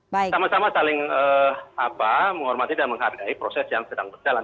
sama sama saling menghormati dan menghargai proses yang sedang berjalan